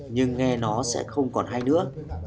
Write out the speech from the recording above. nhưng nghe nó sẽ không còn hay nữa